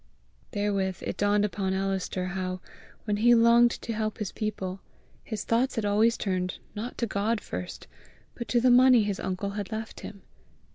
Therewith it dawned upon Alister how, when he longed to help his people, his thoughts had always turned, not to God first, but to the money his uncle had left him.